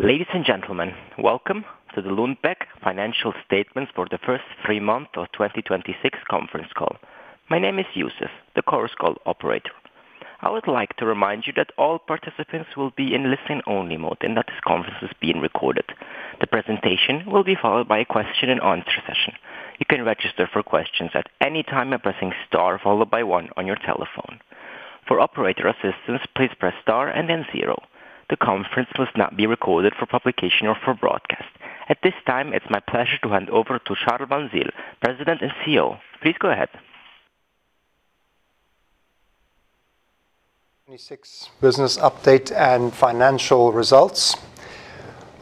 Ladies and gentlemen, welcome to the Lundbeck Financial Statements for the first three months of 2026 conference call. My name is Yusuf, the Chorus Call operator. I would like to remind you that all participants will be in listen-only mode, and that this conference is being recorded. The presentation will be followed by a question and answer session. You can register for questions at any time by pressing star followed by one on your telephone. For operator assistance, please press star and then zero. The conference must not be recorded for publication or for broadcast. At this time, it's my pleasure to hand over to Charl van Zyl, President and CEO. Please go ahead. 2026 business update and financial results.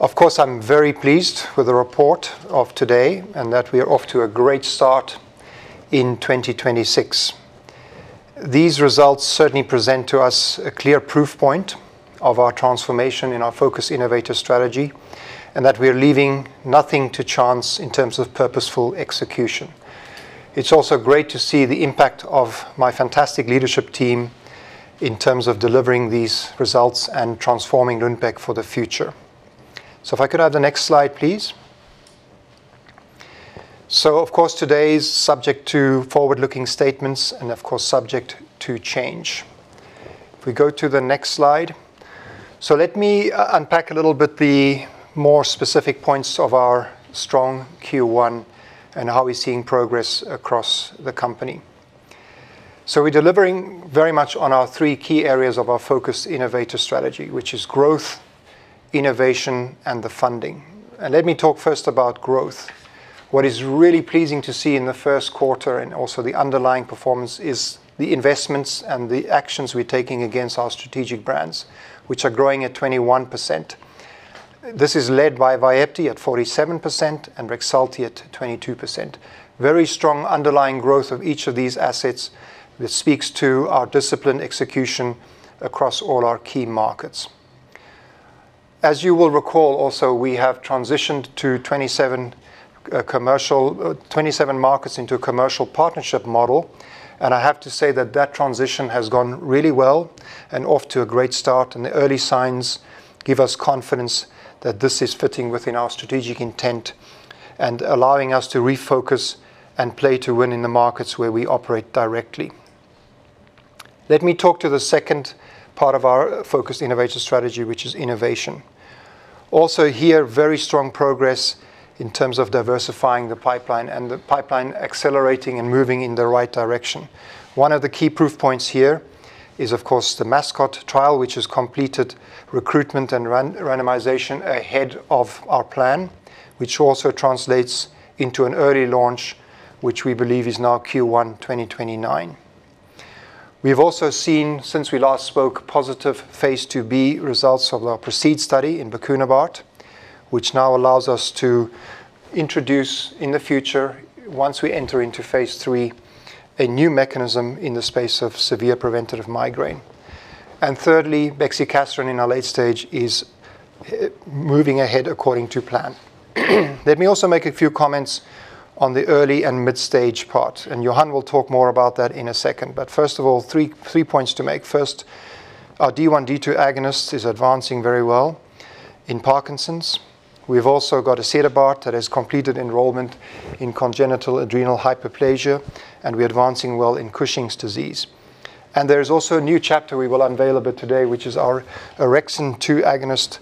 Of course, I'm very pleased with the report of today and that we are off to a great start in 2026. These results certainly present to us a clear proof point of our transformation in our focused innovative strategy, and that we are leaving nothing to chance in terms of purposeful execution. It's also great to see the impact of my fantastic leadership team in terms of delivering these results and transforming Lundbeck for the future. If I could have the next slide, please. Of course, today's subject to forward-looking statements and of course, subject to change. If we go to the next slide. Let me unpack a little bit the more specific points of our strong Q1 and how we're seeing progress across the company. We're delivering very much on our three key areas of our focused innovative strategy, which is growth, innovation, and the funding. Let me talk first about growth. What is really pleasing to see in the first quarter and also the underlying performance is the investments and the actions we're taking against our strategic brands, which are growing at 21%. This is led by VYEPTI at 47% and REXULTI at 22%. Very strong underlying growth of each of these assets that speaks to our disciplined execution across all our key markets. As you will recall also, we have transitioned to 27 markets into a commercial partnership model, and I have to say that that transition has gone really well and off to a great start. The early signs give us confidence that this is fitting within our strategic intent and allowing us to refocus and play to win in the markets where we operate directly. Let me talk to the second part of our focused innovative strategy, which is innovation. Also here, very strong progress in terms of diversifying the pipeline and the pipeline accelerating and moving in the right direction. One of the key proof points here is, of course, the MASCOT trial, which has completed recruitment and randomization ahead of our plan, which also translates into an early launch, which we believe is now Q1 2029. We have also seen, since we last spoke, positive phase IIb results of our PROCEED study in bocunebart, which now allows us to introduce in the future, once we enter into phase III, a new mechanism in the space of severe preventative migraine. Thirdly, bexicaserin in our late stage is moving ahead according to plan. Let me also make a few comments on the early and mid-stage part, and Johan will talk more about that in a second. First of all, three points to make. First, our D1/D2 agonist is advancing very well in Parkinson's. We've also got asedebart that has completed enrollment in congenital adrenal hyperplasia, and we're advancing well in Cushing's disease. There is also a new chapter we will unveil a bit today, which is our orexin two agonist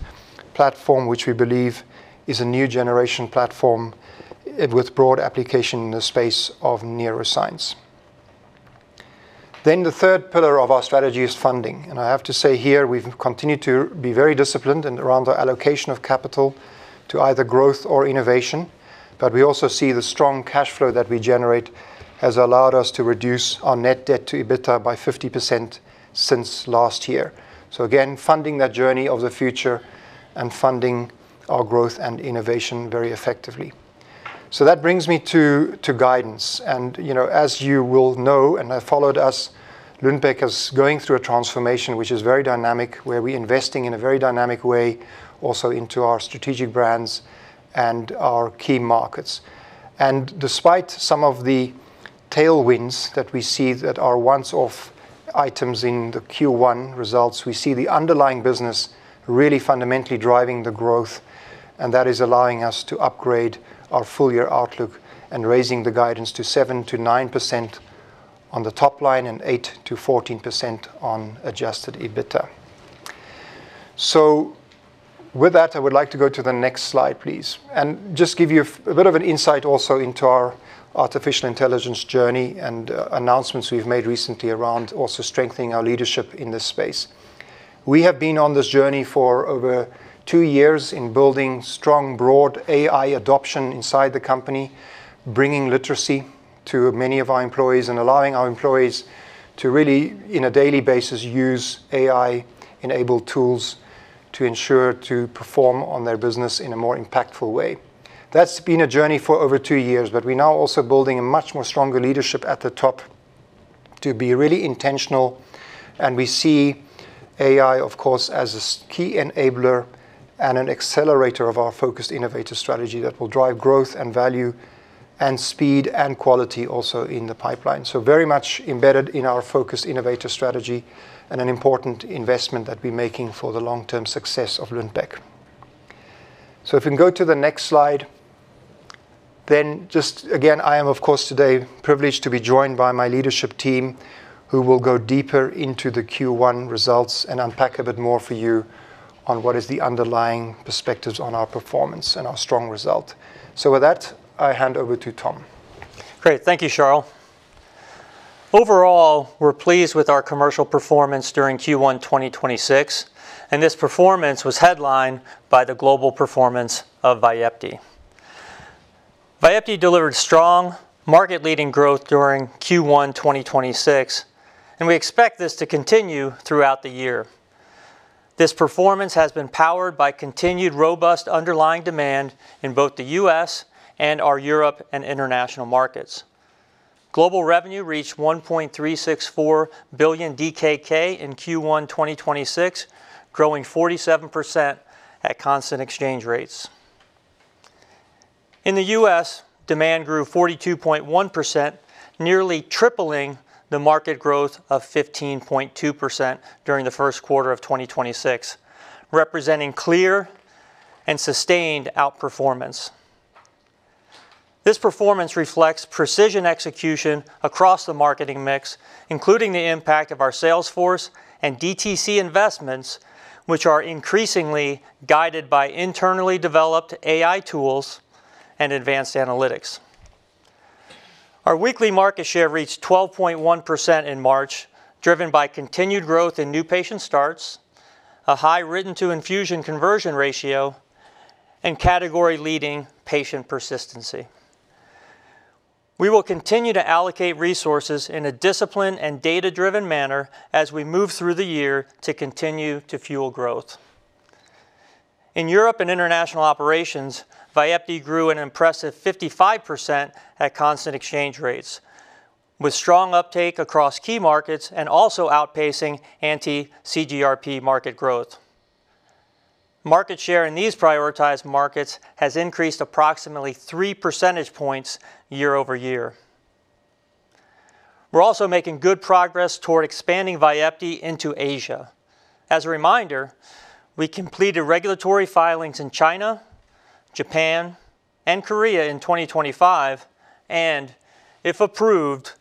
platform, which we believe is a new generation platform with broad application in the space of neuroscience. The third pillar of our strategy is funding, and I have to say here, we've continued to be very disciplined around the allocation of capital to either growth or innovation. We also see the strong cash flow that we generate has allowed us to reduce our net debt to EBITDA by 50% since last year. Again, funding that journey of the future and funding our growth and innovation very effectively. That brings me to guidance. You know, as you will know, and have followed us, Lundbeck is going through a transformation which is very dynamic, where we're investing in a very dynamic way also into our strategic brands and our key markets. Despite some of the tailwinds that we see that are once-off items in the Q1 results, we see the underlying business really fundamentally driving the growth, and that is allowing us to upgrade our full year outlook and raising the guidance to 7%-9% on the top line and 8%-14% on adjusted EBITDA. With that, I would like to go to the next slide, please, and just give you a bit of an insight also into our artificial intelligence journey and announcements we've made recently around also strengthening our leadership in this space. We have been on this journey for over two years in building strong, broad AI adoption inside the company, bringing literacy to many of our employees and allowing our employees to really, in a daily basis, use AI-enabled tools to ensure to perform on their business in a more impactful way. That's been a journey for over two years, but we're now also building a much more stronger leadership at the top to be really intentional. We see AI, of course, as a key enabler and an accelerator of our focused innovative strategy that will drive growth and value and speed and quality also in the pipeline. Very much embedded in our focus innovative strategy, and an important investment that we're making for the long-term success of Lundbeck. If we can go to the next slide, then just again, I am, of course, today privileged to be joined by my leadership team, who will go deeper into the Q1 results and unpack a bit more for you on what is the underlying perspectives on our performance and our strong result. With that, I hand over to Tom. Great. Thank you, Charl. Overall, we're pleased with our commercial performance during Q1 2026, and this performance was headlined by the global performance of VYEPTI. VYEPTI delivered strong market-leading growth during Q1 2026, and we expect this to continue throughout the year. This performance has been powered by continued robust underlying demand in both the U.S. and our Europe and International Markets. Global revenue reached 1.364 billion DKK in Q1 2026, growing 47% at constant exchange rates. In the U.S., demand grew 42.1%, nearly tripling the market growth of 15.2% during the first quarter of 2026, representing clear and sustained outperformance. This performance reflects precision execution across the marketing mix, including the impact of our sales force and DTC investments, which are increasingly guided by internally developed AI tools and advanced analytics. Our weekly market share reached 12.1% in March, driven by continued growth in new patient starts, a high written to infusion conversion ratio, and category-leading patient persistency. We will continue to allocate resources in a disciplined and data-driven manner as we move through the year to continue to fuel growth. In Europe and international operations, VYEPTI grew an impressive 55% at constant exchange rates, with strong uptake across key markets and also outpacing anti-CGRP market growth. Market share in these prioritized markets has increased approximately 3 percentage points year-over-year. We're also making good progress toward expanding VYEPTI into Asia. As a reminder, we completed regulatory filings in China, Japan, and Korea in 2025. If approved,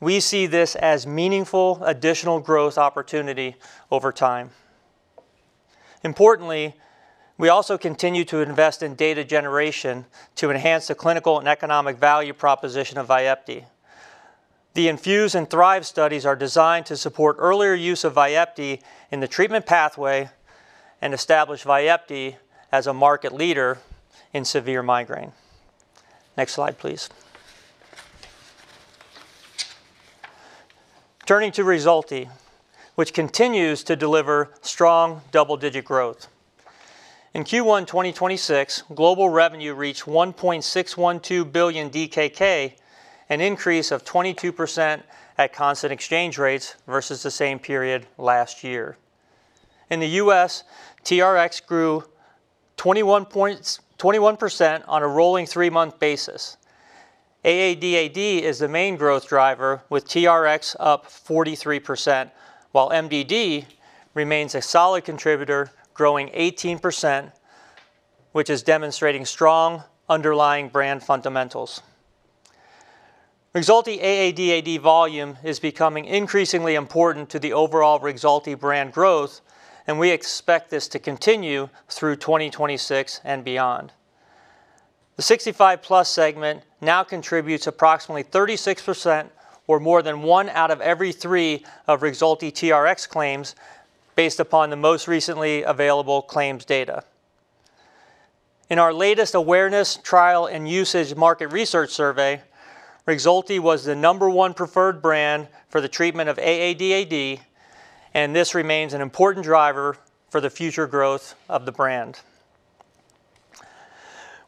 we see this as meaningful additional growth opportunity over time. Importantly, we also continue to invest in data generation to enhance the clinical and economic value proposition of VYEPTI. The infuse and thrive studies are designed to support earlier use of VYEPTI in the treatment pathway and establish VYEPTI as a market leader in severe migraine. Next slide, please. Turning to REXULTI, which continues to deliver strong double-digit growth. In Q1 2026, global revenue reached 1.612 billion DKK, an increase of 22% at constant exchange rates versus the same period last year. In the U.S., TRx grew 21% on a rolling three-month basis. AADAD is the main growth driver, with TRx up 43%, while MDD remains a solid contributor, growing 18%, which is demonstrating strong underlying brand fundamentals. REXULTI AADAD volume is becoming increasingly important to the overall REXULTI brand growth, and we expect this to continue through 2026 and beyond. The 65+ segment now contributes approximately 36% or more than one out of every three of REXULTI TRx claims based upon the most recently available claims data. In our latest awareness trial and usage market research survey, REXULTI was the number one preferred brand for the treatment of AADAD, and this remains an important driver for the future growth of the brand.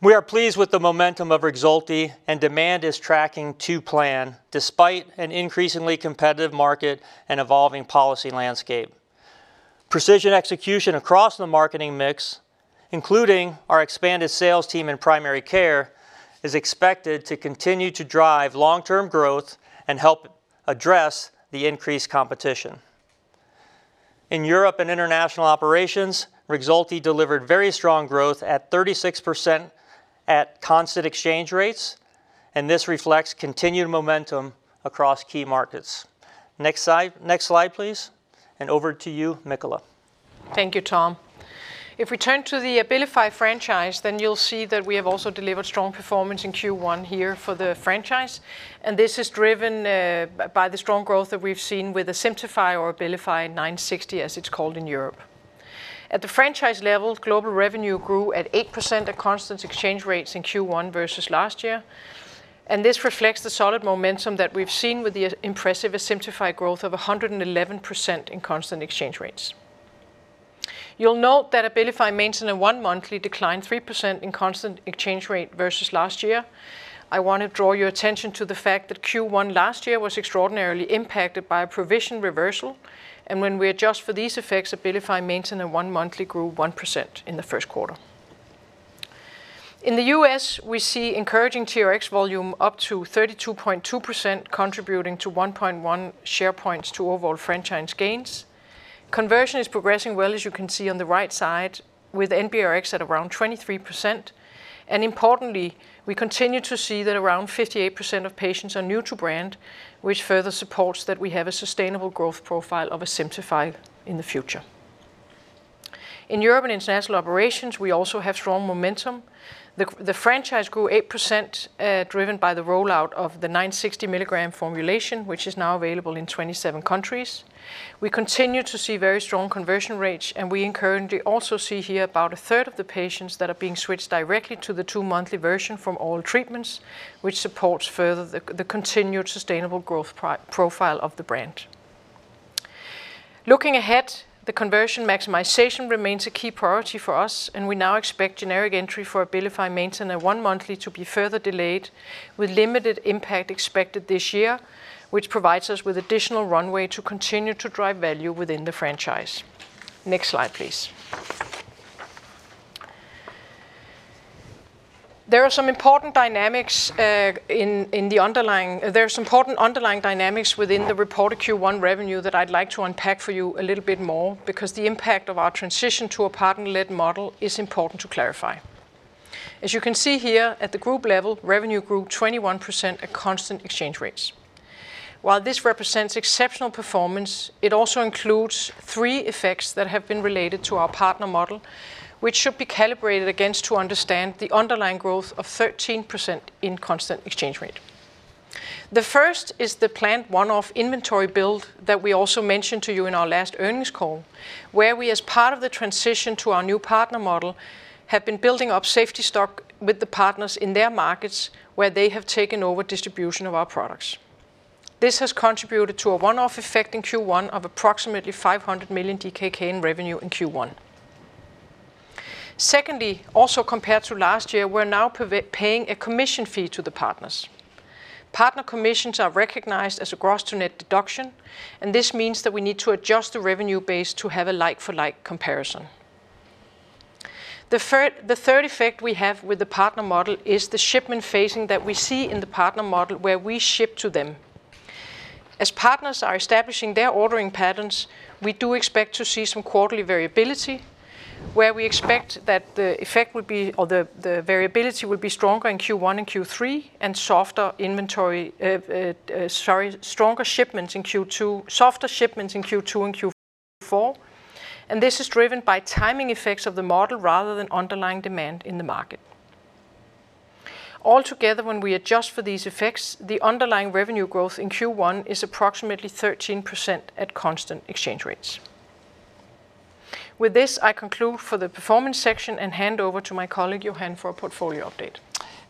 We are pleased with the momentum of REXULTI, and demand is tracking to plan despite an increasingly competitive market and evolving policy landscape. Precision execution across the marketing mix, including our expanded sales team in primary care, is expected to continue to drive long-term growth and help address the increased competition. In Europe and international operations, REXULTI delivered very strong growth at 36% at constant exchange rates. This reflects continued momentum across key markets. Next slide, next slide, please. Over to you, Michala. Thank you, Tom. If we turn to the ABILIFY franchise, then you'll see that we have also delivered strong performance in Q1 here for the franchise, and this is driven by the strong growth that we've seen with ABILIFY ASIMTUFII or ABILIFY ASIMTUFII as it's called in Europe. At the franchise level, global revenue grew at 8% at constant exchange rates in Q1 versus last year, and this reflects the solid momentum that we've seen with the impressive ABILIFY ASIMTUFII growth of 111% in constant exchange rates. You'll note that ABILIFY MAINTENA once-monthly declined 3% in constant exchange rate versus last year. I want to draw your attention to the fact that Q1 last year was extraordinarily impacted by a provision reversal, and when we adjust for these effects, ABILIFY MAINTENA one monthly grew 1% in the first quarter. In the U.S., we see encouraging TRx volume up to 32.2% contributing to 1.1 share points to overall franchise gains. Conversion is progressing well, as you can see on the right side, with NBRx at around 23%. Importantly, we continue to see that around 58% of patients are new to brand, which further supports that we have a sustainable growth profile of ASIMTUFII in the future. In European international operations, we also have strong momentum. The franchise grew 8%, driven by the rollout of the 960 milligram formulation, which is now available in 27 countries. We continue to see very strong conversion rates, and we currently also see here about a third of the patients that are being switched directly to the two monthly version from all treatments, which supports further the continued sustainable growth profile of the brand. Looking ahead, the conversion maximization remains a key priority for us, and we now expect generic entry for ABILIFY MAINTENA at one monthly to be further delayed, with limited impact expected this year, which provides us with additional runway to continue to drive value within the franchise. Next slide, please. There are some important underlying dynamics within the reported Q1 revenue that I'd like to unpack for you a little bit more, because the impact of our transition to a partner-led model is important to clarify. As you can see here, at the group level, revenue grew 21% at constant exchange rates. While this represents exceptional performance, it also includes three effects that have been related to our partner model, which should be calibrated against to understand the underlying growth of 13% in constant exchange rate. The first is the planned one-off inventory build that we also mentioned to you in our last earnings call, where we, as part of the transition to our new partner model, have been building up safety stock with the partners in their markets where they have taken over distribution of our products. This has contributed to a one-off effect in Q1 of approximately 500 million DKK in revenue in Q1. Secondly, also compared to last year, we're now paying a commission fee to the partners. Partner commissions are recognized as a gross to net deduction, and this means that we need to adjust the revenue base to have a like-for-like comparison. The third effect we have with the partner model is the shipment phasing that we see in the partner model where we ship to them. As partners are establishing their ordering patterns, we do expect to see some quarterly variability, where we expect that the effect will be or the variability will be stronger in Q1 and Q3 and softer shipments in Q2 and Q4, and this is driven by timing effects of the model rather than underlying demand in the market. Altogether, when we adjust for these effects, the underlying revenue growth in Q1 is approximately 13% at constant exchange rates. With this, I conclude for the performance section and hand over to my colleague, Johan, for a portfolio update.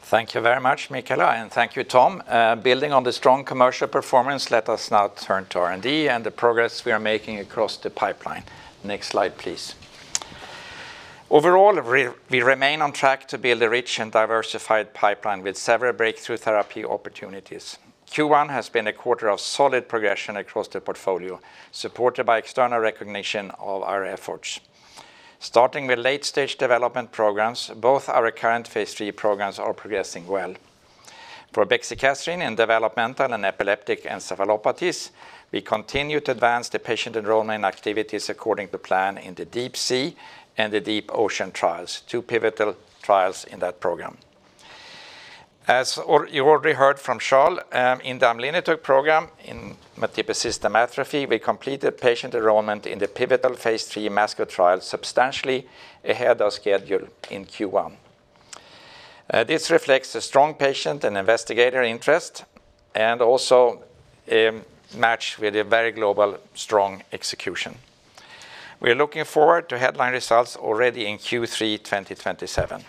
Thank you very much, Michala, and thank you, Tom. Building on the strong commercial performance, let us now turn to R&D and the progress we are making across the pipeline. Next slide, please. Overall, we remain on track to build a rich and diversified pipeline with several breakthrough therapy opportunities. Q1 has been a quarter of solid progression across the portfolio, supported by external recognition of our efforts. Starting with late-stage development programs, both our current phase III programs are progressing well. For bexicaserin in Developmental and Epileptic Encephalopathies, we continue to advance the patient enrollment activities according to plan in the DEEp SEA and the DEEp OCEAN trials, two pivotal trials in that program. As you already heard from Charl, in the amlenetug program in Multiple System Atrophy, we completed patient enrollment in the pivotal phase III MASCOT trial substantially ahead of schedule in Q1. This reflects a strong patient and investigator interest and also match with a very global strong execution. We are looking forward to headline results already in Q3 2027.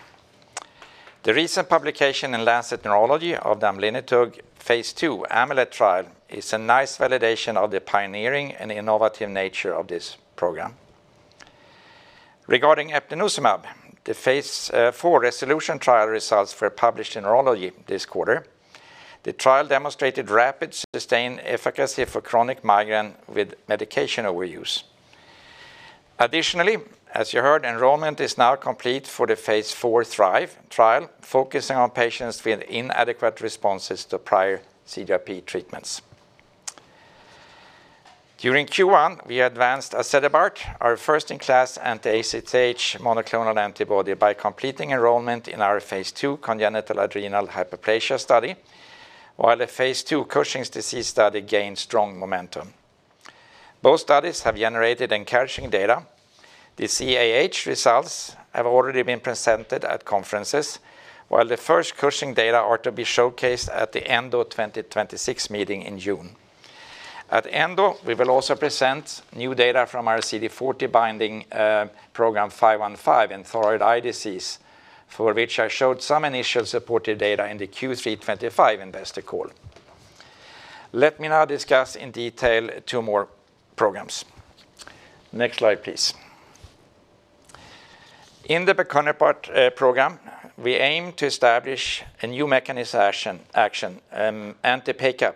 The recent publication in The Lancet Neurology of the amlenetug phase II AMULET trial is a nice validation of the pioneering and innovative nature of this program. Regarding eptinezumab, the phase IV RESOLUTION trial results were published in Neurology this quarter. The trial demonstrated rapid sustained efficacy for chronic migraine with medication overuse. Additionally, as you heard, enrollment is now complete for the phase IV THRIVE trial, focusing on patients with inadequate responses to prior CGRP treatments. During Q1, we advanced asedebart, our first in class anti-ACTH monoclonal antibody by completing enrollment in our phase II congenital adrenal hyperplasia study, while the phase II Cushing's disease study gained strong momentum. Both studies have generated encouraging data. The CAH results have already been presented at conferences, while the first Cushing data are to be showcased at the ENDO 2026 meeting in June. At ENDO, we will also present new data from our CD40 binding program 515 in thyroid eye disease, for which I showed some initial supported data in the Q3 2025 investor call. Let me now discuss in detail two more programs. Next slide, please. In the bocunebart program, we aim to establish a new mechanism action, anti-PACAP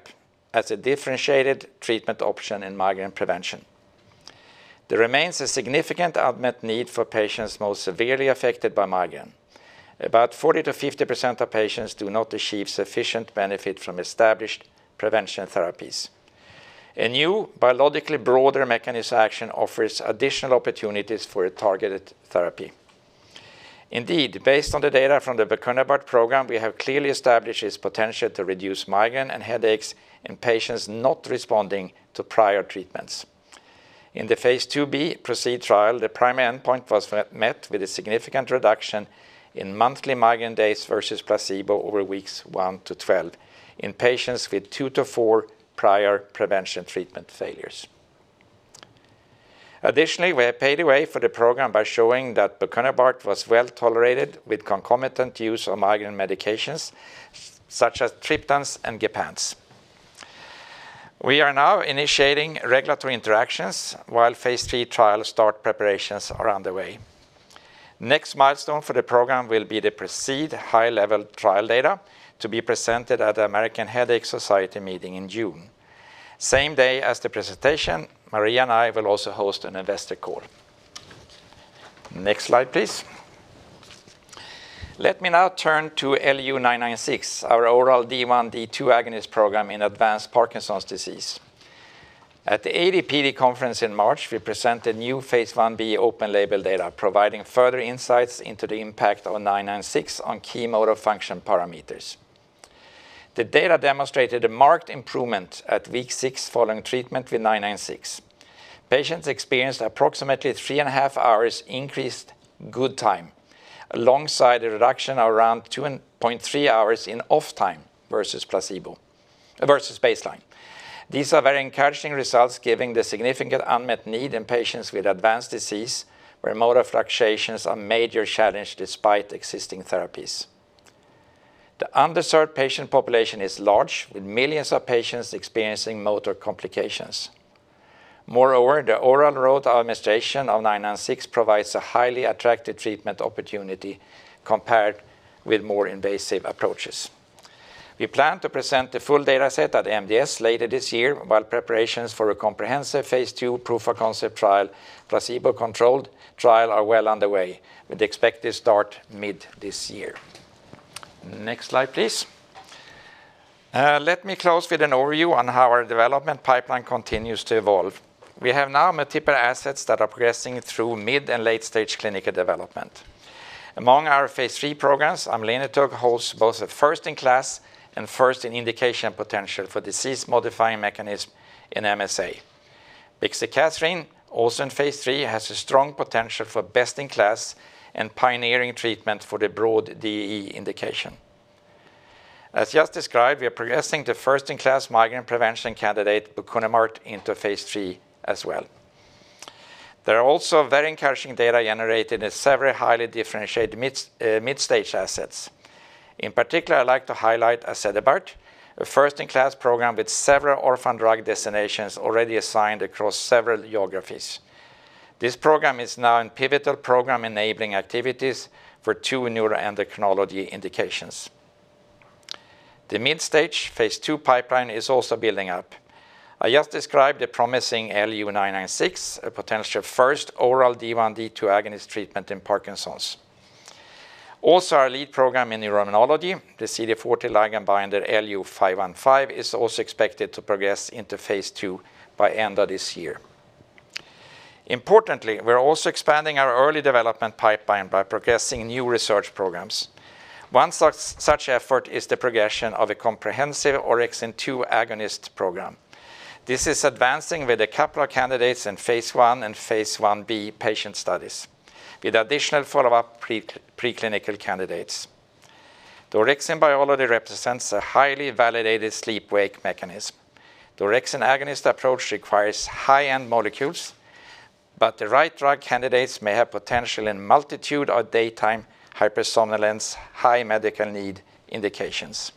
as a differentiated treatment option in migraine prevention. There remains a significant unmet need for patients most severely affected by migraine. About 40%-50% of patients do not achieve sufficient benefit from established prevention therapies. A new biologically broader mechanism action offers additional opportunities for a targeted therapy. Indeed, based on the data from the bocunebart program, we have clearly established its potential to reduce migraine and headaches in patients not responding to prior treatments. In the phase IIb PROCEED trial, the primary endpoint was met with a significant reduction in monthly migraine days versus placebo over weeks one to 12 in patients with two to four prior prevention treatment failures. Additionally, we have paved the way for the program by showing that bocunebart was well-tolerated with concomitant use of migraine medications such as triptans and gepants. We are now initiating regulatory interactions while phase III trial start preparations are underway. Next milestone for the program will be the PROCEED high-level trial data to be presented at the American Headache Society meeting in June. Same day as the presentation, Maria and I will also host an investor call. Next slide, please. Let me now turn to Lu AF28996, our oral D1/D2 agonist program in advanced Parkinson's disease. At the AD/PD conference in March, we presented new phase I-B open label data, providing further insights into the impact of AF28996 on key motor function parameters. The data demonstrated a marked improvement at week six following treatment with AF28996. Patients experienced approximately 3.5 hours increased good time alongside a reduction of around 2.3 hours in off time versus placebo versus baseline. These are very encouraging results given the significant unmet need in patients with advanced disease where motor fluctuations are a major challenge despite existing therapies. The underserved patient population is large, with millions of patients experiencing motor complications. The oral route of administration of Lu AF28996 provides a highly attractive treatment opportunity compared with more invasive approaches. We plan to present the full data set at MDS later this year while preparations for a comprehensive phase II proof of concept trial, placebo-controlled trial are well underway, with expected start mid this year. Next slide, please. Let me close with an overview on how our development pipeline continues to evolve. We have now multiple assets that are progressing through mid and late-stage clinical development. Among our phase III programs, amlenetug holds both a first-in-class and first-in-indication potential for disease-modifying mechanism in MSA. Bexicaserin, also in phase III, has a strong potential for best-in-class and pioneering treatment for the broad DEE indication. We are progressing the first-in-class migraine prevention candidate bocunebart into phase III as well. There are also very encouraging data generated in several highly differentiated mid-stage assets. In particular, I'd like to highlight asedebart, a first-in-class program with several orphan drug designations already assigned across several geographies. This program is now in pivotal program-enabling activities for two neuroendocrinology indications. The mid-stage phase II pipeline is also building up. I just described the promising Lu AF28996, a potential first oral D1/D2 agonist treatment in Parkinson's. Also, our lead program in neuroimmunology, the CD40 ligand binder Lu AG22515, is also expected to progress into phase II by end of this year. Importantly, we're also expanding our early development pipeline by progressing new research programs. One such effort is the progression of a comprehensive orexin two agonist program. This is advancing with a couple of candidates in phase I and phase I-B patient studies with additional follow-up preclinical candidates. The orexin biology represents a highly validated sleep-wake mechanism. The orexin agonist approach requires high-end molecules, but the right drug candidates may have potential in multiple or daytime hypersomnolence, high medical need indications.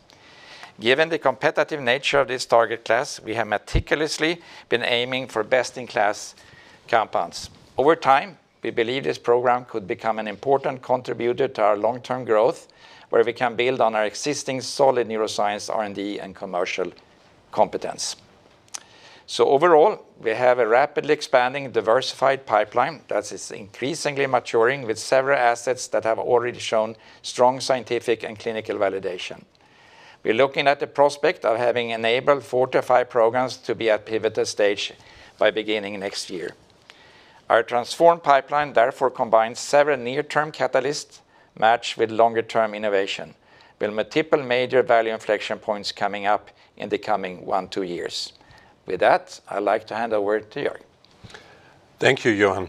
Given the competitive nature of this target class, we have meticulously been aiming for best-in-class compounds. Over time, we believe this program could become an important contributor to our long-term growth, where we can build on our existing solid neuroscience R&D and commercial competence. Overall, we have a rapidly expanding diversified pipeline that is increasingly maturing with several assets that have already shown strong scientific and clinical validation. We're looking at the prospect of having enabled four to five programs to be at pivotal stage by beginning next year. Our transformed pipeline therefore combines several near-term catalysts matched with longer-term innovation, with multiple major value inflection points coming up in the coming one, two years. With that, I'd like to hand over to Joerg. Thank you, Johan.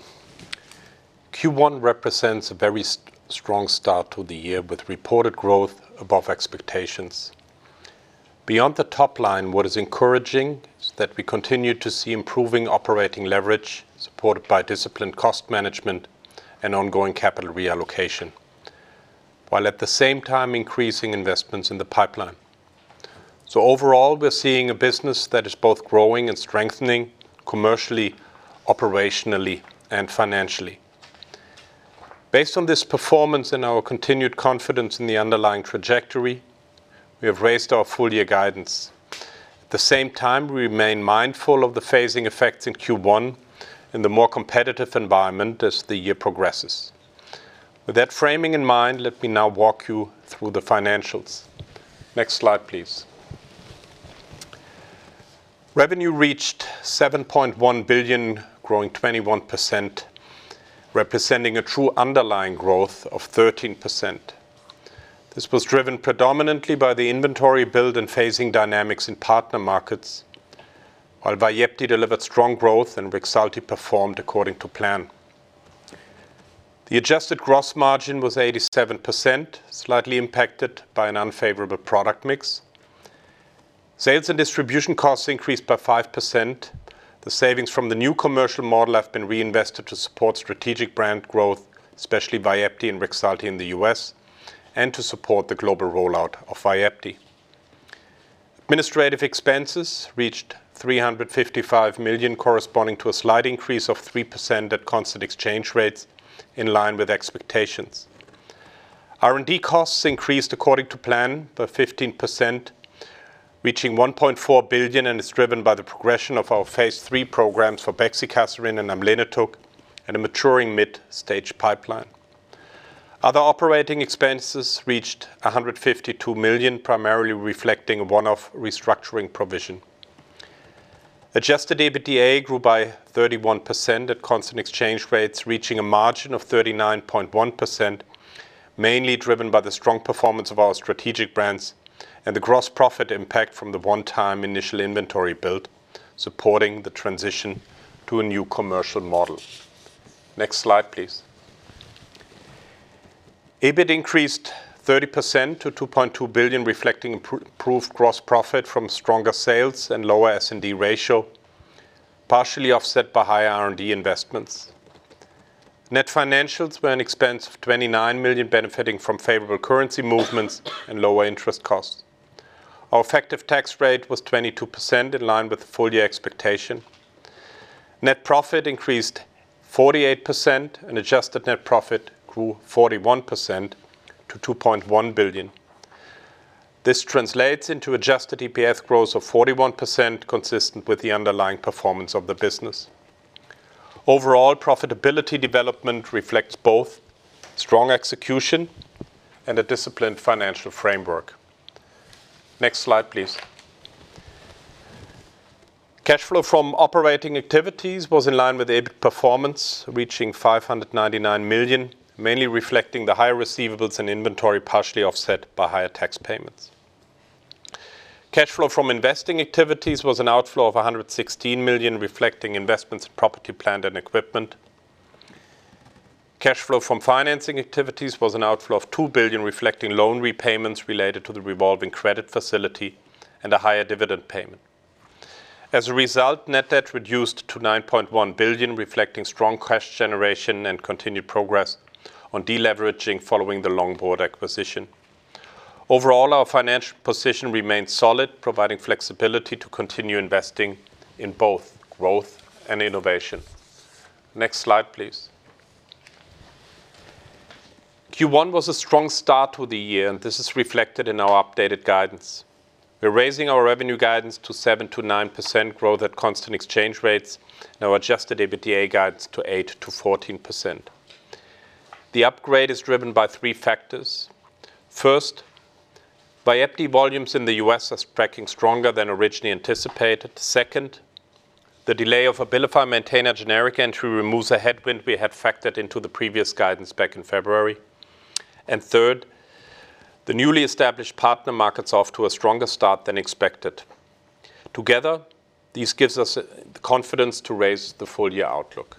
Q1 represents a very strong start to the year, with reported growth above expectations. Beyond the top line, what is encouraging is that we continue to see improving operating leverage supported by disciplined cost management and ongoing capital reallocation, while at the same time increasing investments in the pipeline. Overall, we're seeing a business that is both growing and strengthening commercially, operationally, and financially. Based on this performance and our continued confidence in the underlying trajectory, we have raised our full year guidance. At the same time, we remain mindful of the phasing effects in Q1 and the more competitive environment as the year progresses. With that framing in mind, let me now walk you through the financials. Next slide, please. Revenue reached 7.1 billion, growing 21%, representing a true underlying growth of 13%. This was driven predominantly by the inventory build and phasing dynamics in partner markets, while VYEPTI delivered strong growth and REXULTI performed according to plan. The adjusted gross margin was 87%, slightly impacted by an unfavorable product mix. Sales and distribution costs increased by 5%. The savings from the new commercial model have been reinvested to support strategic brand growth, especially VYEPTI and REXULTI in the U.S., and to support the global rollout of VYEPTI. Administrative expenses reached 355 million, corresponding to a slight increase of 3% at constant exchange rates in line with expectations. R&D costs increased according to plan by 15%, reaching 1.4 billion, and is driven by the progression of our phase III programs for bexicaserin and amlenetug, and a maturing mid-stage pipeline. Other operating expenses reached 152 million, primarily reflecting one-off restructuring provision. Adjusted EBITDA grew by 31% at constant exchange rates, reaching a margin of 39.1%, mainly driven by the strong performance of our strategic brands and the gross profit impact from the one-time initial inventory build, supporting the transition to a new commercial model. Next slide, please. EBIT increased 30% to 2.2 billion, reflecting improved gross profit from stronger sales and lower S&D ratio, partially offset by higher R&D investments. Net financials were an expense of 29 million, benefiting from favorable currency movements and lower interest costs. Our effective tax rate was 22%, in line with the full year expectation. Net profit increased 48%, adjusted net profit grew 41% to 2.1 billion. This translates into adjusted EPS growth of 41%, consistent with the underlying performance of the business. Overall profitability development reflects both strong execution and a disciplined financial framework. Next slide, please. Cash flow from operating activities was in line with EBIT performance, reaching 599 million, mainly reflecting the higher receivables and inventory, partially offset by higher tax payments. Cash flow from investing activities was an outflow of 116 million, reflecting investments in property, plant and equipment. Cash flow from financing activities was an outflow of 2 billion, reflecting loan repayments related to the revolving credit facility and a higher dividend payment. As a result, net debt reduced to 9.1 billion, reflecting strong cash generation and continued progress on de-leveraging following the Longboard acquisition. Overall, our financial position remains solid, providing flexibility to continue investing in both growth and innovation. Next slide, please. Q1 was a strong start to the year. This is reflected in our updated guidance. We're raising our revenue guidance to 7%-9% growth at constant exchange rates and our adjusted EBITDA guidance to 8%-14%. The upgrade is driven by three factors. First, VYEPTI volumes in the U.S. are tracking stronger than originally anticipated. Second, the delay of ABILIFY MAINTENA generic entry removes a headwind we had factored into the previous guidance back in February. Third, the newly established partner market's off to a stronger start than expected. Together, this gives us the confidence to raise the full year outlook.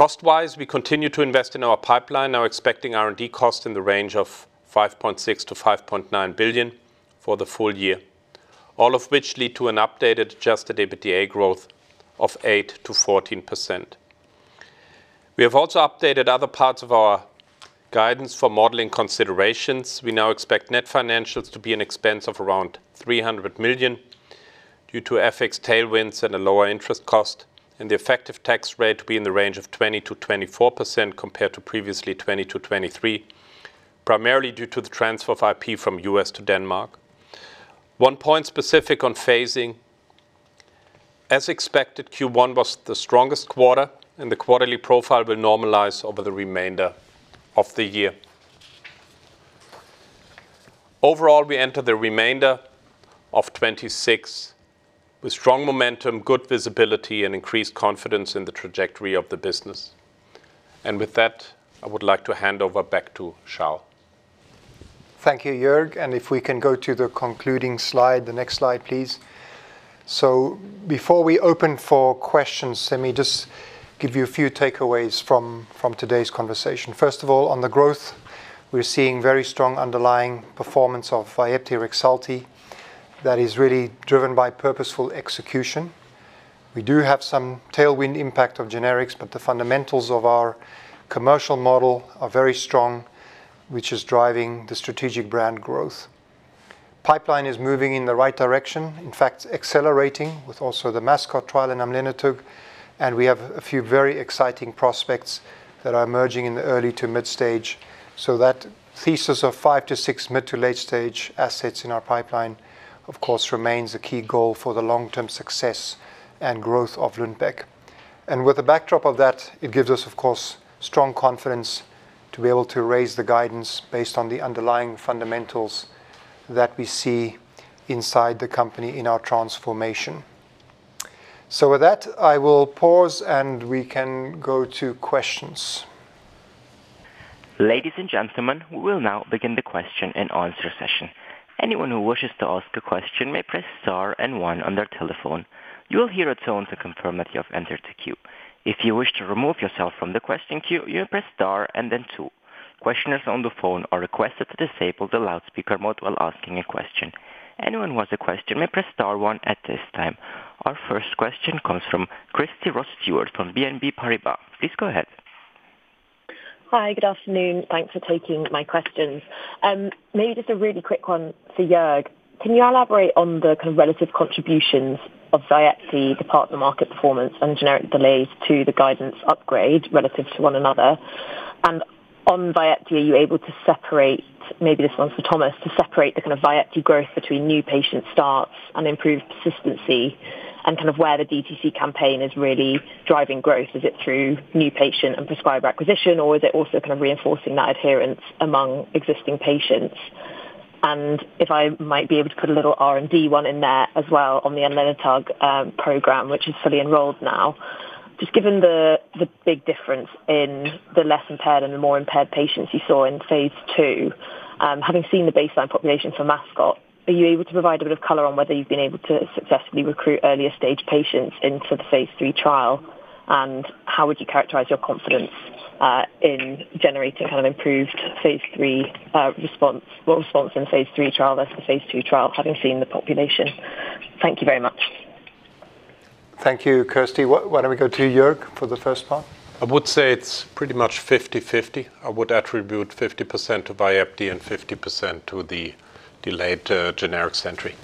Cost-wise, we continue to invest in our pipeline, now expecting R&D costs in the range of 5.6 billion-5.9 billion for the full year, all of which lead to an updated adjusted EBITDA growth of 8%-14%. We have also updated other parts of our guidance for modeling considerations. We now expect net financials to be an expense of around 300 million due to FX tailwinds and a lower interest cost, and the effective tax rate to be in the range of 20%-24% compared to previously 20%-23%, primarily due to the transfer of IP from U.S. to Denmark. One point specific on phasing, as expected, Q1 was the strongest quarter, and the quarterly profile will normalize over the remainder of the year. Overall, we enter the remainder of 2026 with strong momentum, good visibility, and increased confidence in the trajectory of the business. With that, I would like to hand over back to Charl van Zyl. Thank you, Joerg. If we can go to the concluding slide. The next slide, please. Before we open for questions, let me just give you a few takeaways from today's conversation. First of all, on the growth, we're seeing very strong underlying performance of VYEPTI, REXULTI that is really driven by purposeful execution. We do have some tailwind impact of generics, but the fundamentals of our commercial model are very strong, which is driving the strategic brand growth. Pipeline is moving in the right direction. In fact, accelerating with also the MASCOT trial in amlenetug, and we have a few very exciting prospects that are emerging in the early to mid stage. That thesis of five to six mid to late stage assets in our pipeline, of course, remains a key goal for the long-term success and growth of Lundbeck. With the backdrop of that, it gives us, of course, strong confidence to be able to raise the guidance based on the underlying fundamentals that we see inside the company in our transformation. With that, I will pause and we can go to questions. Ladies and gentlemen, we will now begin the question and answer session. Anyone who wishes to ask a question may press star and one on their telephone. You will hear a tone to confirm that you have entered the queue. If you wish to remove yourself from the question queue, you press star and then two. Questioners on the phone are requested to disable the loudspeaker mode while asking a question. Anyone who has a question may press star one at this time. Our first question comes from Kirsty Ross-Stewart from BNP Paribas. Please go ahead. Hi, good afternoon. Thanks for taking my questions. Maybe just a really quick one for Joerg Hornstein. Can you elaborate on the kind of relative contributions of VYEPTI, the partner market performance, and generic delays to the guidance upgrade relative to one another? On VYEPTI, are you able to separate, maybe this one's for Thomas, to separate the kind of VYEPTI growth between new patient starts and improved consistency and kind of where the DTC campaign is really driving growth? Is it through new patient and prescribed acquisition, or is it also kind of reinforcing that adherence among existing patients? If I might be able to put a little R&D one in there as well on the amlenetug program, which is fully enrolled now. Just given the big difference in the less impaired and the more impaired patients you saw in phase II, having seen the baseline population for MASCOT, are you able to provide a bit of color on whether you've been able to successfully recruit earlier stage patients into the phase III trial? How would you characterize your confidence in generating kind of improved phase III response in phase III trial versus phase II trial, having seen the population? Thank you very much. Thank you, Kirsty Ross-Stewart. Why don't we go to Joerg Hornstein for the first part? I would say it's pretty much 50/50. I would attribute 50% to VYEPTI and 50% to the delayed generic entry.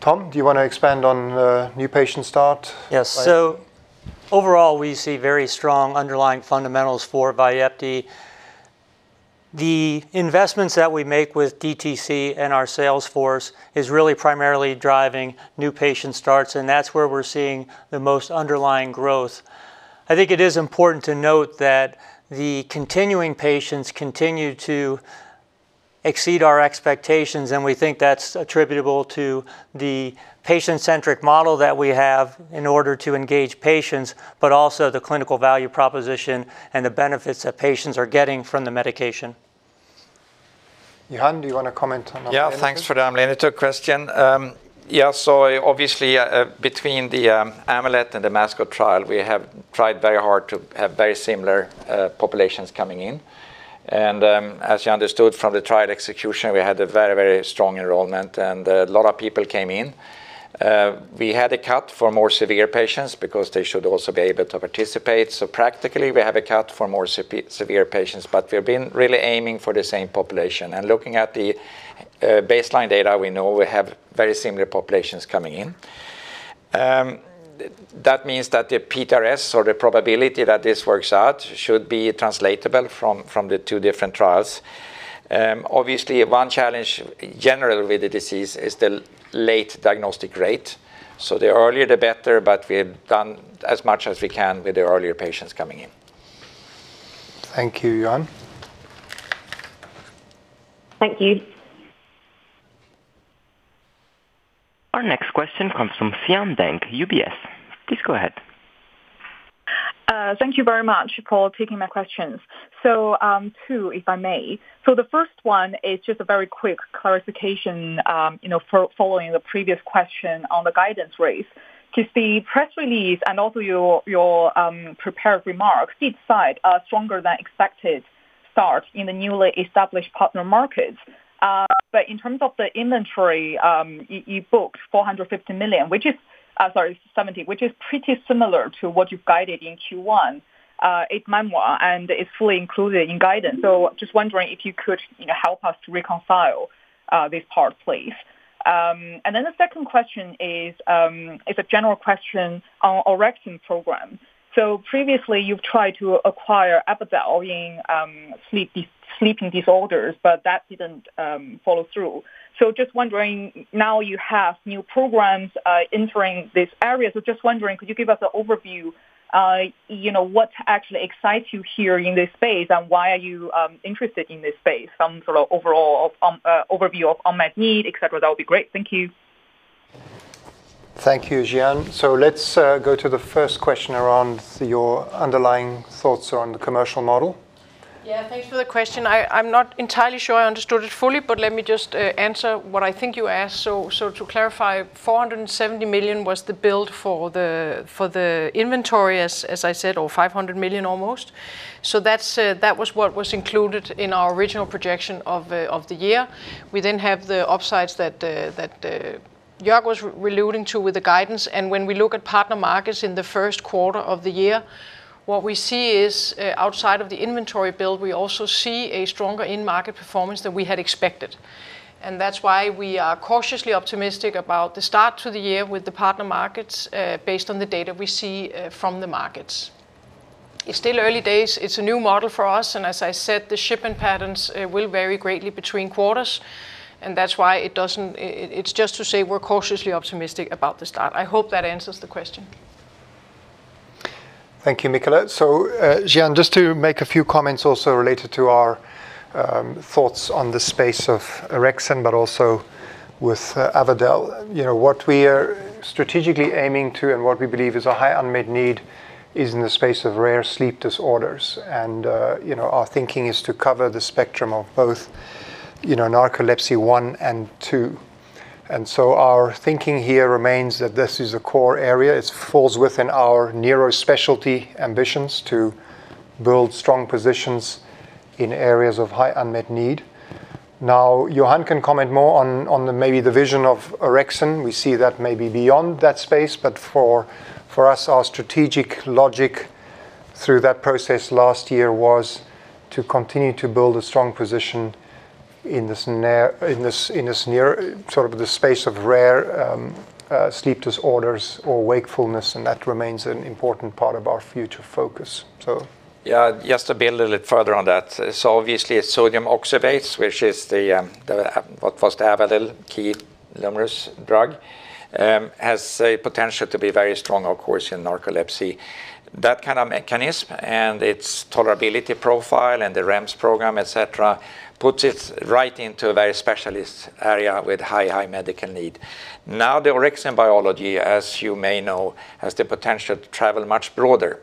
Tom, do you want to expand on the new patient start? Overall, we see very strong underlying fundamentals for VYEPTI. The investments that we make with DTC and our sales force is really primarily driving new patient starts, and that's where we're seeing the most underlying growth. I think it is important to note that the continuing patients continue to exceed our expectations, and we think that's attributable to the patient-centric model that we have in order to engage patients, but also the clinical value proposition and the benefits that patients are getting from the medication. Johan, do you want to comment on that? Thanks for the amlenetug question. Obviously, between the AMULET and the MASCOT trial, we have tried very hard to have very similar populations coming in. As you understood from the trial execution, we had a very strong enrollment, and a lot of people came in. We had a cut for more severe patients because they should also be able to participate. Practically, we have a cut for more severe patients, but we've been really aiming for the same population. Looking at the baseline data, we know we have very similar populations coming in. That means that the POS or the probability that this works out should be translatable from the two different trials. Obviously, one challenge generally with the disease is the late diagnostic rate. The earlier, the better, but we've done as much as we can with the earlier patients coming in. Thank you, Johan. Thank you. Our next question comes from Xian Deng, UBS. Please go ahead. Thank you very much for taking my questions. Two, if I may. The first one is just a very quick clarification, you know, following the previous question on the guidance raise. The press release and also your, prepared remarks did cite a stronger than expected start in the newly established partner markets. But in terms of the inventory, you booked 450 million, which is, sorry, 70, which is pretty similar to what you've guided in Q1, eight-month, and it's fully included in guidance. Just wondering if you could, you know, help us to reconcile, this part, please. The second question is a general question on orexin program. Previously you've tried to acquire Avadel Pharmaceuticals in sleep disorders, but that didn't follow through. Just wondering, now you have new programs entering these areas. Just wondering, could you give us an overview, you know, what actually excites you here in this space, and why are you interested in this space? Some sort of overall overview of unmet need, et cetera. That would be great. Thank you. Thank you, Xian. Let's go to the first question around your underlying thoughts on the commercial model. Yeah, thanks for the question. I'm not entirely sure I understood it fully, let me just answer what I think you asked. To clarify, 470 million was the build for the inventory, as I said, or 500 million almost. That was what was included in our original projection of the year. We have the upsides that Joerg was alluding to with the guidance. When we look at partner markets in the first quarter of the year, what we see is outside of the inventory build, we also see a stronger in-market performance than we had expected. That's why we are cautiously optimistic about the start to the year with the partner markets, based on the data we see from the markets. It's still early days. It's a new model for us, and as I said, the shipping patterns will vary greatly between quarters, and that's why it doesn't it's just to say we're cautiously optimistic about the start. I hope that answers the question. Thank you, Michala. Xian, just to make a few comments also related to our thoughts on the space of orexin, but also with Avadel. You know, what we are strategically aiming to and what we believe is a high unmet need is in the space of rare sleep disorders. You know, our thinking is to cover the spectrum of both, you know, narcolepsy one and two. Our thinking here remains that this is a core area. It falls within our neurospecialty ambitions to build strong positions in areas of high unmet need. Now, Johan can comment more on the maybe the vision of orexin. We see that maybe beyond that space. For us, our strategic logic through that process last year was to continue to build a strong position in this neuro sort of the space of rare sleep disorders or wakefulness, and that remains an important part of our future focus. Yeah, just to build a little further on that. Obviously, sodium oxybate, which is the, what was the Avadel key narcolepsy drug, has a potential to be very strong, of course, in narcolepsy. That kind of mechanism and its tolerability profile and the REMS program, et cetera, puts it right into a very specialist area with high medical need. The orexin biology, as you may know, has the potential to travel much broader.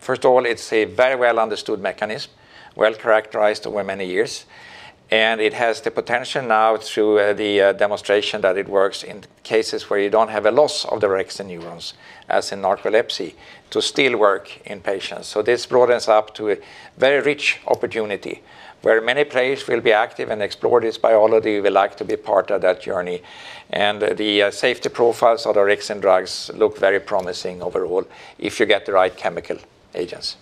First of all, it's a very well-understood mechanism, well-characterized over many years, and it has the potential now through the demonstration that it works in cases where you don't have a loss of the orexin neurons, as in narcolepsy, to still work in patients. This broadens up to a very rich opportunity where many players will be active and explore this biology. We'd like to be part of that journey. The safety profiles of the orexin drugs look very promising overall if you get the right chemical agents.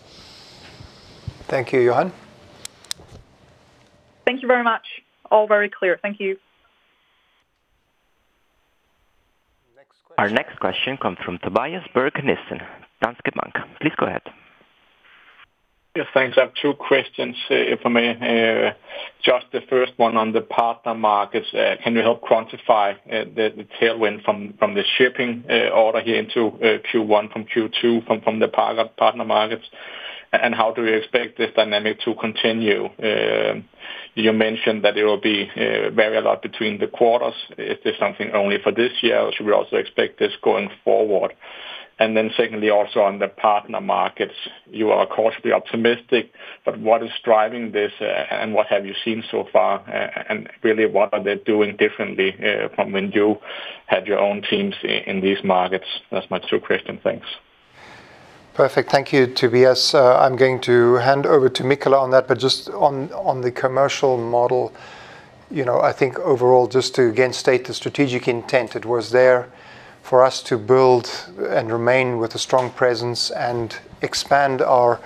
Thank you, Johan. Thank you very much. All very clear. Thank you. Next question. Our next question comes from Tobias Berg Nissen, Danske Bank. Please go ahead. Yes, thanks. I have two questions, if I may. Just the first one on the partner markets. Can you help quantify the tailwind from the shipping order here into Q1 from Q2 from the partner markets? How do you expect this dynamic to continue? You mentioned that it will vary a lot between the quarters. Is this something only for this year, or should we also expect this going forward? Secondly, also on the partner markets, you are cautiously optimistic, but what is driving this and what have you seen so far? Really, what are they doing differently from when you had your own teams in these markets? That's my two questions. Thanks. Perfect. Thank you, Tobias. I'm going to hand over to Michala on that. Just on the commercial model, you know, I think overall, just to again state the strategic intent, it was there for us to build and remain with a strong presence and expand our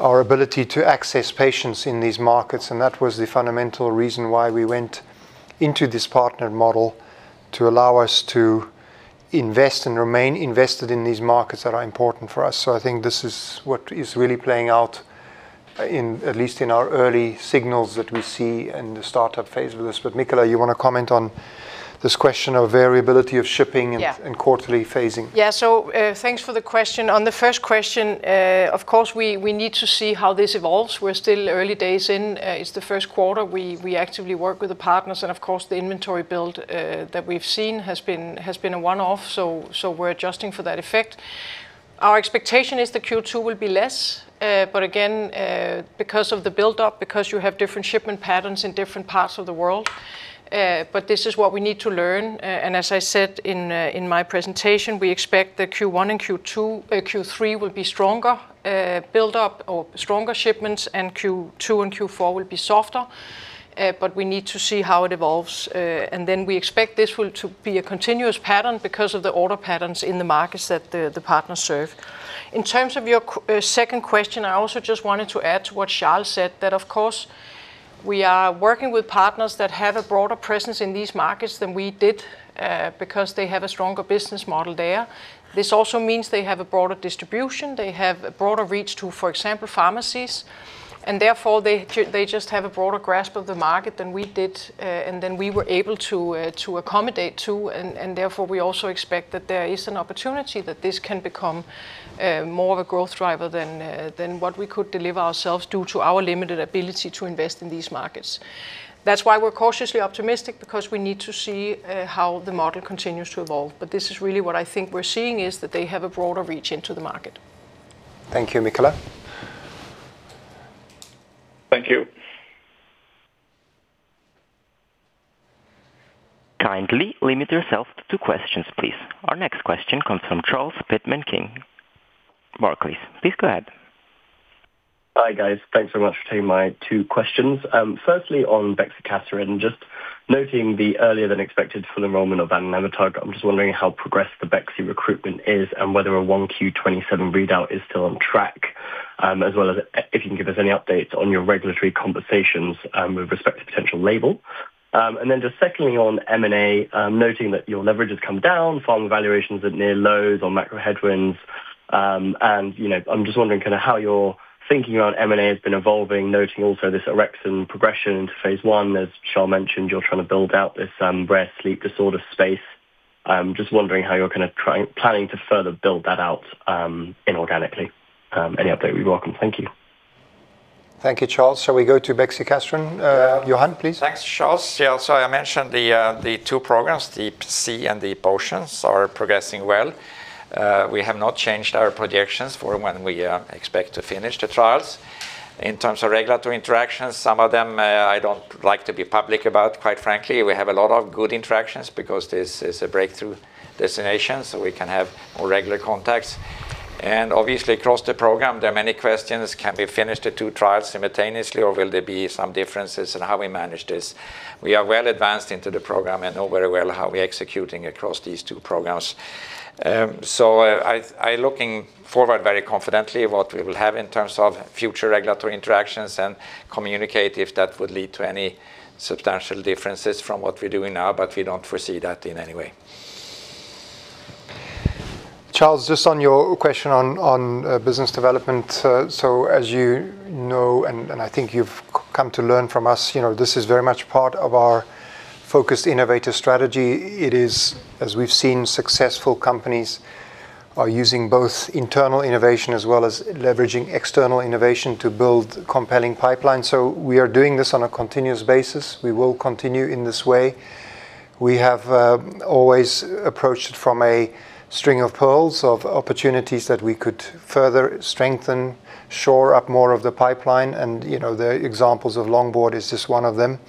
ability to access patients in these markets. That was the fundamental reason why we went into this partner model to allow us to invest and remain invested in these markets that are important for us. I think this is what is really playing out, in at least in our early signals that we see in the startup phase with this. Michala, you wanna comment on this question of variability of shipping and- Yeah. Quarterly phasing? Thanks for the question. On the first question, of course, we need to see how this evolves. We're still early days in. It's the first quarter. We actively work with the partners and of course the inventory build that we've seen has been a one-off. We're adjusting for that effect. Our expectation is that Q2 will be less, but again, because of the buildup, because you have different shipment patterns in different parts of the world. This is what we need to learn. As I said in my presentation, we expect that Q1 and Q3 will be stronger, build-up or stronger shipments, and Q2 and Q4 will be softer. We need to see how it evolves. We expect this will to be a continuous pattern because of the order patterns in the markets that the partners serve. In terms of your second question, I also just wanted to add to what Charl said, that of course we are working with partners that have a broader presence in these markets than we did, because they have a stronger business model there. This also means they have a broader distribution. They have a broader reach to, for example, pharmacies, and therefore they just have a broader grasp of the market than we did, and than we were able to accommodate to. Therefore, we also expect that there is an opportunity that this can become, more of a growth driver than what we could deliver ourselves due to our limited ability to invest in these markets. That's why we're cautiously optimistic, because we need to see, how the model continues to evolve. This is really what I think we're seeing is that they have a broader reach into the market. Thank you, Michala. Thank you. Kindly limit yourself to two questions, please. Our next question comes from Charles Pitman-King, Barclays. Please go ahead. Hi, guys. Thanks very much for taking my two questions. Firstly, on bexicaserin, just noting the earlier than expected full enrollment of an 11 target, I'm just wondering how progressed the bexu recruitment is and whether a Q1 2027 readout is still on track, as well as if you can give us any updates on your regulatory conversations with respect to potential label. Secondly on M&A, noting that your leverage has come down, pharma valuations at near lows on macro headwinds. You know, I'm just wondering kinda how your thinking around M&A has been evolving, noting also this orexin progression into phase I. As Charl mentioned, you're trying to build out this rare sleep disorder space. I'm just wondering how you're gonna planning to further build that out inorganically. Any update would be welcome. Thank you. Thank you, Charles. Shall we go to bexicaserin? Johan, please. Thanks, Charles. I mentioned the two programs, DEEp SEA and DEEp OCEAN, are progressing well. We have not changed our projections for when we expect to finish the trials. In terms of regulatory interactions, some of them I don't like to be public about, quite frankly. We have a lot of good interactions because this is a breakthrough designation. We can have more regular contacts. Obviously, across the program, there are many questions. Can we finish the two trials simultaneously, or will there be some differences in how we manage this? We are well advanced into the program and know very well how we're executing across these two programs. I looking forward very confidently what we will have in terms of future regulatory interactions and communicate if that would lead to any substantial differences from what we're doing now, but we don't foresee that in any way. Charles, just on your question on business development. As you know, and I think you've come to learn from us, you know, this is very much part of our focused innovative strategy. It is, as we've seen, successful companies are using both internal innovation as well as leveraging external innovation to build compelling pipelines. We are doing this on a continuous basis. We will continue in this way. We have always approached it from a string of pearls of opportunities that we could further strengthen, shore up more of the pipeline, and, you know, the examples of Longboard is just one of them.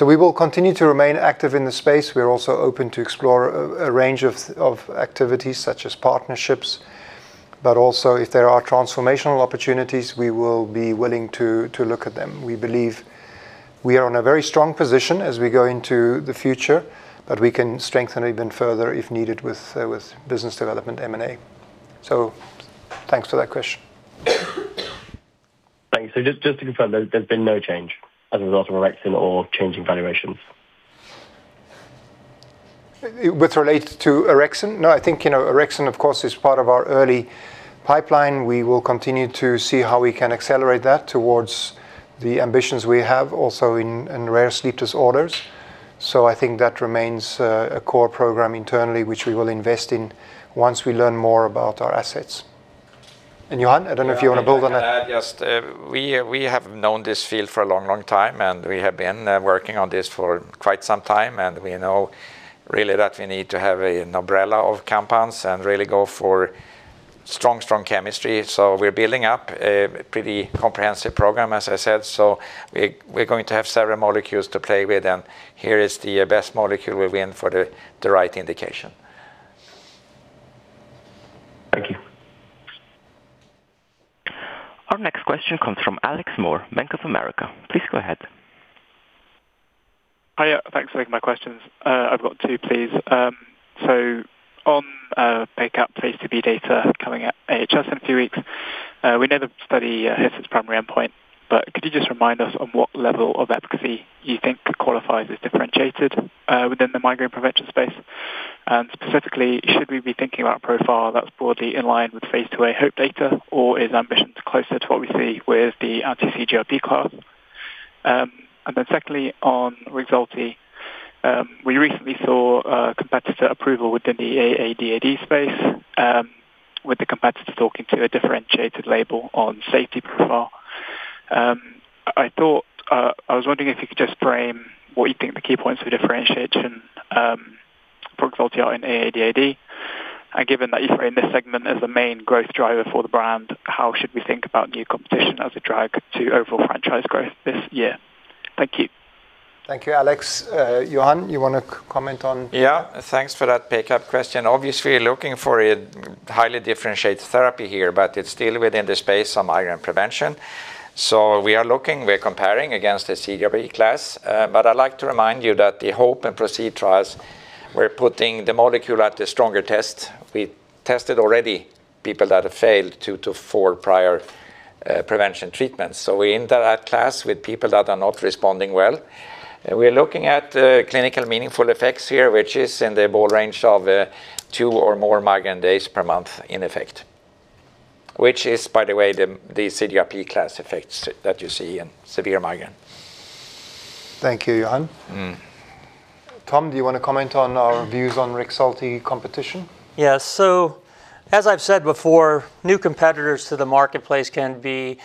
We will continue to remain active in the space. We are also open to explore a range of activities such as partnerships. Also, if there are transformational opportunities, we will be willing to look at them. We believe we are in a very strong position as we go into the future, but we can strengthen even further if needed with business development M&A. Thanks for that question. Thanks. Just to confirm, there's been no change as a result of Orexin or change in valuations? With regard to Orexin? No, I think, you know, Orexin, of course, is part of our early pipeline. We will continue to see how we can accelerate that towards the ambitions we have also in rare sleep disorders. I think that remains a core program internally, which we will invest in once we learn more about our assets. Johan, I don't know if you want to build on that. Yeah. I'd just, we have known this field for a long, long time, and we have been working on this for quite some time, and we know really that we need to have an umbrella of compounds and really go for strong chemistry. We're building up a pretty comprehensive program, as I said. We're going to have several molecules to play with, and here is the best molecule we have for the right indication. Thank you. Our next question comes from Alex Moore, Bank of America. Please go ahead. Hiya. Thanks for taking my questions. I've got two, please. On PACAP phase II-B data coming at AHS in a few weeks, we know the study hits its primary endpoint, but could you just remind us on what level of efficacy you think qualifies as differentiated within the migraine prevention space? Specifically, should we be thinking about a profile that's broadly in line with phase II-A HOPE data, or is Ambition closer to what we see with the anti-CGRP class? Secondly, on REXULTI. We recently saw a competitor approval within the AADAD space, with the competitor talking to a differentiated label on safety profile. I thought I was wondering if you could just frame what you think the key points of differentiation for REXULTI are in AADAD. Given that you frame this segment as the main growth driver for the brand, how should we think about new competition as a drag to overall franchise growth this year? Thank you. Thank you, Alex. Johan, you wanna comment on. Yeah, thanks for that pickup question. Obviously, looking for a highly differentiated therapy here, it's still within the space of migraine prevention. We're comparing against the CGRP class. I'd like to remind you that the HOPE and PROCEED trials, we're putting the molecule at the stronger test. We tested already people that have failed two to four prior prevention treatments. We enter that class with people that are not responding well. We are looking at clinical meaningful effects here, which is in the ball range of two or more migraine days per month in effect, which is, by the way, the CGRP class effects that you see in severe migraine. Thank you, Johan. Tom, do you want to comment on our views on REXULTI competition? Yes. As I've said before, new competitors to the marketplace can be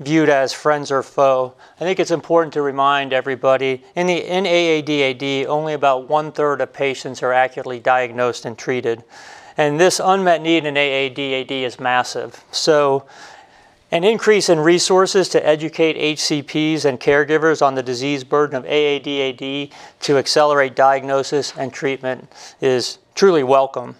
viewed as friends or foe. I think it's important to remind everybody, in AADAD, only about 1/3 of patients are accurately diagnosed and treated, and this unmet need in AADAD is massive. An increase in resources to educate HCPs and caregivers on the disease burden of AADAD to accelerate diagnosis and treatment is truly welcome.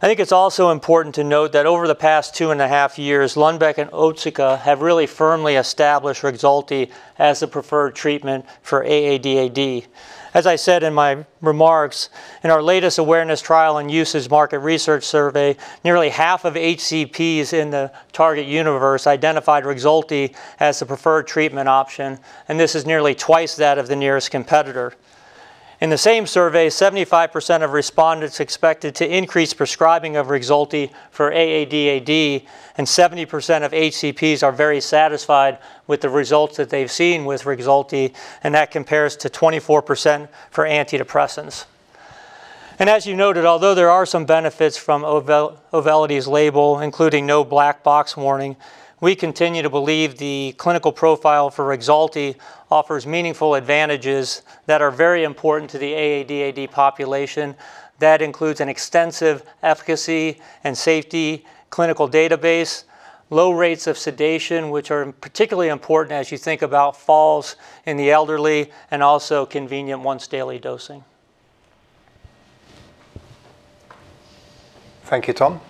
I think it's also important to note that over the past 2.5 years, Lundbeck and Otsuka have really firmly established REXULTI as the preferred treatment for AADAD. As I said in my remarks, in our latest awareness trial and usage market research survey, nearly half of HCPs in the target universe identified REXULTI as the preferred treatment option, and this is nearly twice that of the nearest competitor. In the same survey, 75% of respondents expected to increase prescribing of REXULTI for AADAD. 70% of HCPs are very satisfied with the results that they've seen with REXULTI, and that compares to 24% for antidepressants. As you noted, although there are some benefits from Auvelity's label, including no black box warning, we continue to believe the clinical profile for REXULTI offers meaningful advantages that are very important to the AADAD population. That includes an extensive efficacy and safety clinical database, low rates of sedation, which are particularly important as you think about falls in the elderly, and also convenient once daily dosing. Thank you, Tom.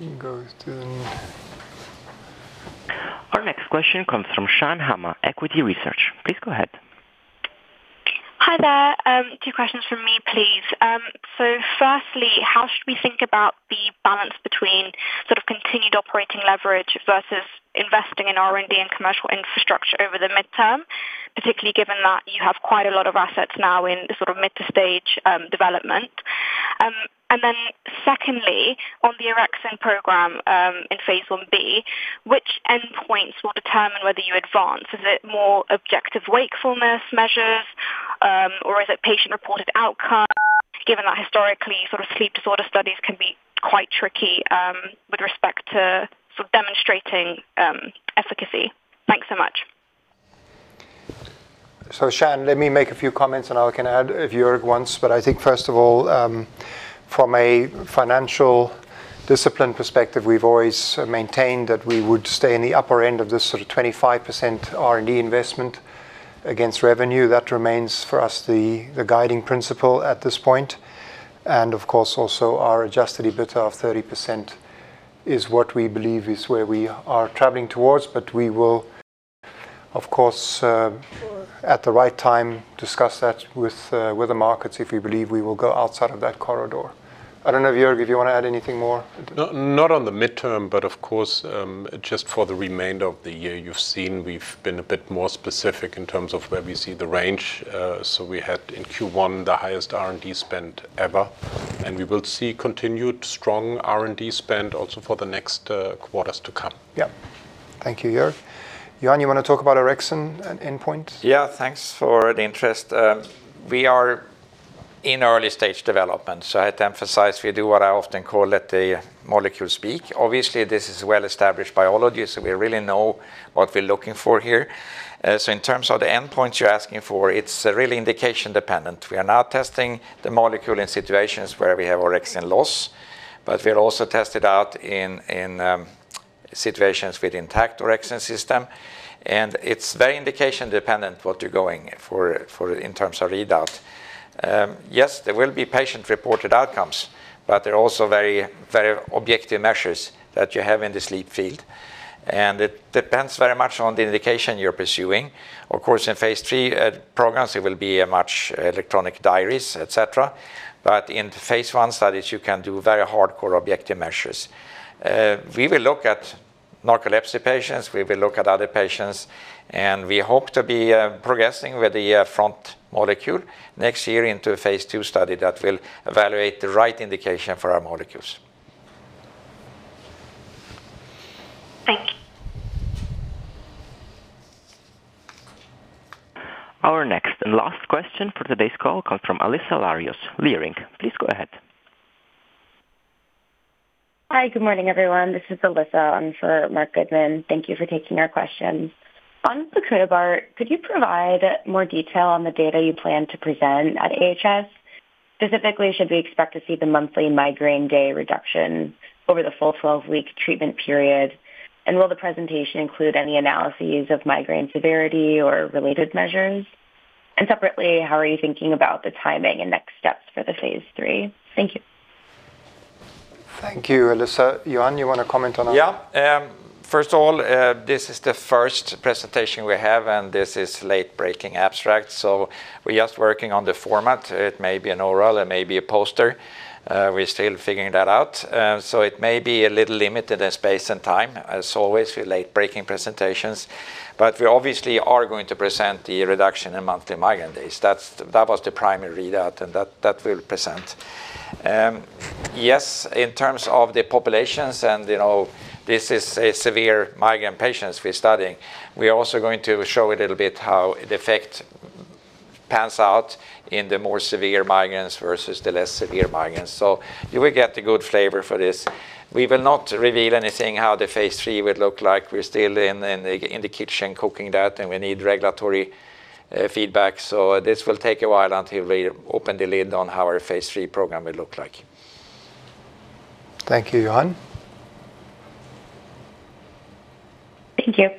We can go to. Our next question comes from Shan Hama, Equity Research. Please go ahead. Hi there. Two questions from me, please. Firstly, how should we think about the balance between sort of continued operating leverage versus investing in R&D and commercial infrastructure over the midterm, particularly given that you have quite a lot of assets now in sort of mid-stage development? Secondly, on the orexin program, in phase I-B, which endpoints will determine whether you advance? Is it more objective wakefulness measures, or is it patient-reported outcome, given that historically sort of sleep disorder studies can be quite tricky with respect to sort of demonstrating efficacy? Thanks so much. Shan, let me make a few comments, and I can add if Joerg wants. I think first of all, from a financial discipline perspective, we've always maintained that we would stay in the upper end of this sort of 25% R&D investment against revenue. That remains for us the guiding principle at this point. Of course, also our adjusted EBITDA of 30% is what we believe is where we are traveling towards. We will of course, at the right time, discuss that with the markets, if you believe we will go outside of that corridor. I don't know, Joerg, if you want to add anything more. Not on the midterm, of course, just for the remainder of the year, you've seen we've been a bit more specific in terms of where we see the range. We had in Q1 the highest R&D spend ever, and we will see continued strong R&D spend also for the next quarters to come. Yeah. Thank you, Joerg. Johan, you want to talk about orexin and endpoint? Yeah, thanks for the interest. We are in early stage development. I'd emphasize we do what I often call let the molecule speak. Obviously, this is well-established biology, we really know what we're looking for here. In terms of the endpoint you're asking for, it's really indication dependent. We are now testing the molecule in situations where we have orexin loss, but we're also tested out in situations with intact orexin system, it's very indication dependent what you're going for in terms of readout. Yes, there will be patient reported outcomes, but they're also very, very objective measures that you have in the sleep field, it depends very much on the indication you're pursuing. Of course, in phase III programs, it will be a much electronic diaries, et cetera. In phase I studies, you can do very hardcore objective measures. We will look at narcolepsy patients, we will look at other patients, and we hope to be progressing with the front molecule next year into a phase II study that will evaluate the right indication for our molecules. Thank you. Our next and last question for today's call comes from Alyssa Larios, Leerink. Please go ahead. Hi, good morning, everyone. This is Alyssa Larios. I'm for Marc Goodman. Thank you for taking our questions. On bocunebart, could you provide more detail on the data you plan to present at AHS? Specifically, should we expect to see the monthly migraine day reduction over the full 12-week treatment period? Will the presentation include any analyses of migraine severity or related measures? Separately, how are you thinking about the timing and next steps for the phase III? Thank you. Thank you, Alyssa. Johan, you want to comment on that? Yeah. First of all, this is the first presentation we have, and this is late-breaking abstract. We're just working on the format. It may be an oral, it may be a poster. We're still figuring that out. It may be a little limited in space and time, as always, with late-breaking presentations. We obviously are going to present the reduction in monthly migraine days. That was the primary readout, and that we'll present. Yes, in terms of the populations, and, you know, this is a severe migraine patients we're studying. We are also going to show a little bit how the effect pans out in the more severe migraines versus the less severe migraines. You will get a good flavor for this. We will not reveal anything how the phase III would look like. We're still in the kitchen cooking that, and we need regulatory feedback. This will take a while until we open the lid on how our phase III program will look like. Thank you, Johan. Thank you.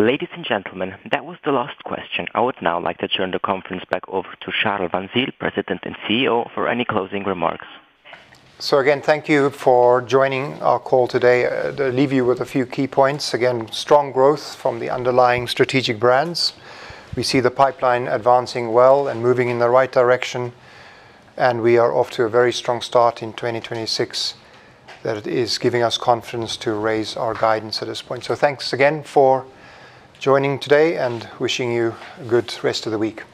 Ladies and gentlemen, that was the last question. I would now like to turn the conference back over to Charl van Zyl, President and CEO, for any closing remarks. Again, thank you for joining our call today. Leave you with a few key points. Again, strong growth from the underlying strategic brands. We see the pipeline advancing well and moving in the right direction, and we are off to a very strong start in 2026. That is giving us confidence to raise our guidance at this point. Thanks again for joining today and wishing you a good rest of the week.